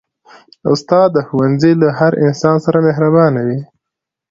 استاد د ښوونځي له هر انسان سره مهربانه وي.